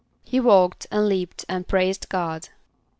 =He walked and leaped and praised God.